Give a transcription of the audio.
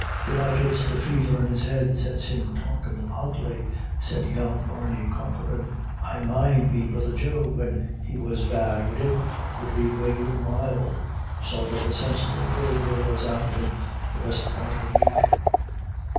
"Belike it's the fever in his head sets him talkin' oddly," said young Barney Corcoran. "I mind me brother Joe when he was bad wid it would be ravin' wild. Sorra the sinsible word there was out of him for the best part of a week."